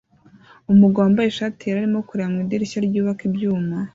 Umugabo wambaye ishati yera arimo kureba mu idirishya ryubaka ibyuma